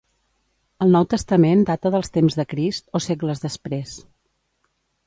El Nou Testament data dels temps de Crist, o segles després.